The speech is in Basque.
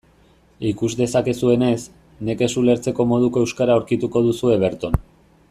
Ikus dezakezuenez, nekez ulertzeko moduko euskara aurkituko duzue berton.